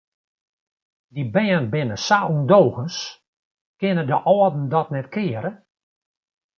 Dy bern binne sa ûndogens, kinne de âlden dat net keare?